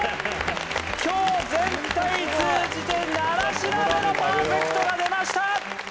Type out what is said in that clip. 今日全体通じて７品目のパーフェクトが出ました！